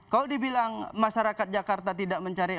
kalau dibilang masyarakat jakarta tidak bisa diperhatikan